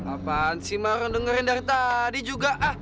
apaan sih marah dengerin dari tadi juga